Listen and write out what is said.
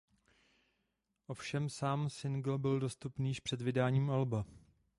Ovšem sám singl byl dostupný již před vydáním alba.